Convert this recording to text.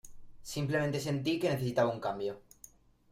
Simplemente sentí que necesitaba un cambio".